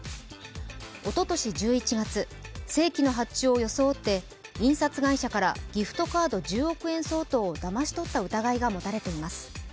おととし１１月、正規の発注を装って印刷会社からギフトカード１０億円相当をだまし取った疑いが持たれています。